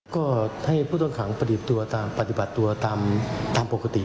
ก็ให้ผู้ต้องหาทั่วไปปฏิบัติตัวตามปกติ